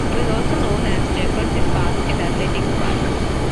It was also known as Jefferson Park and Athletics Park.